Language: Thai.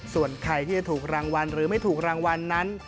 ส่วนใครที่จะถูกรางวัลหรือไม่ถูกรางวัลนั้น